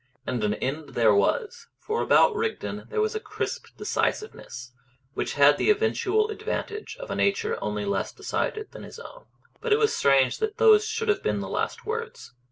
And an end there was, for about Rigden there was a crisp decisiveness which had the eventual advantage of a nature only less decided than his own. But it was strange that those should have been the last words.